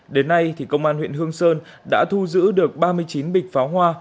đến nay thì công an huyện hương sơn đã thu giữ được ba mươi chín bịch pháo hoa